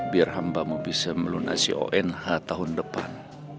biar hambamu bisa melunasi unh tahun depan